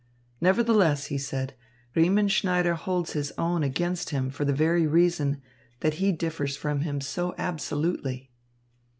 "Nevertheless," he said, "Riemenschneider holds his own against him for the very reason that he differs from him so absolutely."